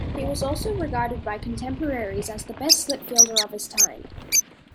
He was also regarded by contemporaries as the best slip fielder of his time.